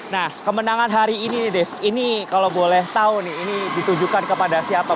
nah kemenangan hari ini dev ini kalau boleh tahu nih ini ditujukan kepada siapa